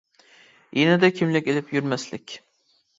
يېنىدا كىملىك ئېلىپ يۈرمەسلىك .